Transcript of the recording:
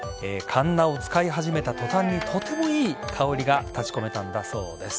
かんなを使い始めた途端にとてもいい香りが立ち込めたんだそうです。